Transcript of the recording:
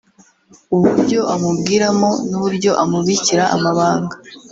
uburyo amubwiramo n’uburyo amubikira amabanga